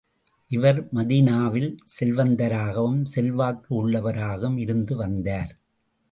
இவர் மதீனாவில் செல்வந்தராகவும், செல்வாக்கு உள்ளவராகவும் இருந்து வந்தார்.